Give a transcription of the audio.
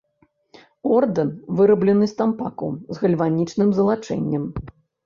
Ордэн выраблены з тампаку з гальванічным залачэннем.